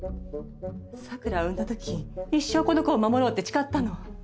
桜を産んだ時一生この子を守ろうって誓ったの。